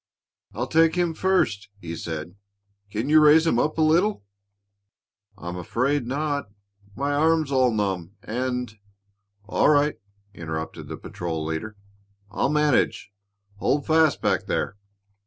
"I'll take him first," he said. "Can you raise him up a little?" "I'm afraid not. My arm's all numb, and " "All right," interrupted the patrol leader. "I'll manage. Hold fast back there."